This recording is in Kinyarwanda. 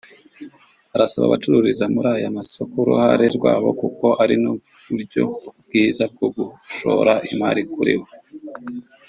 arasaba abacururiza muri aya masoko uruhare rwabo kuko ari n’uburyo bwiza bwo gushora imari kuri bo